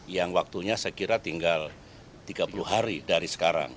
yang waktunya sekira tinggal tiga puluh hari dari sekarang